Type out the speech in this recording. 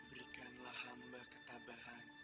berikanlah hamba ketabahan